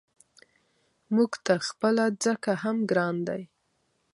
موږ ته خپله ځکه هم ګران دی.